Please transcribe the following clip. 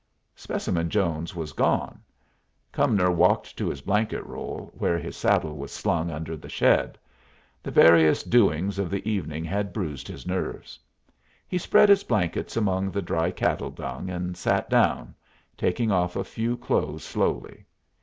Specimen Jones was gone. Cumnor walked to his blanket roll, where his saddle was slung under the shed. The various doings of the evening had bruised his nerves. He spread his blankets among the dry cattle dung, and sat down, taking off a few clothes slowly.